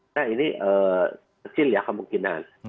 nah ini kecil ya kemungkinan